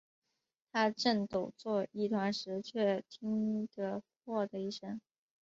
他正抖作一团时，却听得豁的一声